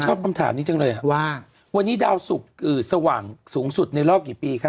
คำถามนี้จังเลยอ่ะว่าวันนี้ดาวสุกสว่างสูงสุดในรอบกี่ปีคะ